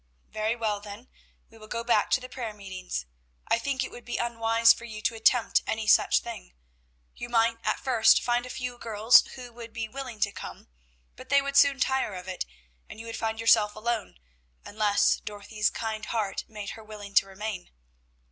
"Very well, then, we will go back to the prayer meetings; I think it would be unwise for you to attempt any such thing. You might at first find a few girls who would be willing to come, but they would soon tire of it, and you would find yourself alone, unless Dorothy's kind heart made her willing to remain.